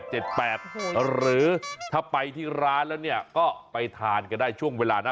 หรือถ้าไปที่ร้านแล้วเนี่ยก็ไปทานกันได้ช่วงเวลานะ